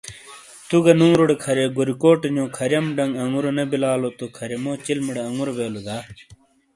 تو گہ نوروٹے گوریکوٹ نیو کھریم ڈنگ انگوروں نے بلالو تو کھریمو چلمٹے آنگورو بیلو دا؟